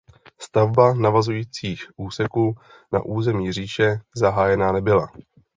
Stavba navazujících úseků na území Říše zahájena nebyla.